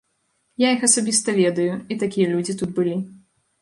Я іх асабіста ведаю, і такія людзі тут былі.